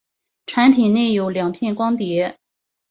产品内有两片光碟。